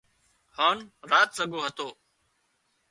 هانَ رات زڳو هتو